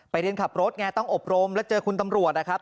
เรียนขับรถไงต้องอบรมแล้วเจอคุณตำรวจนะครับ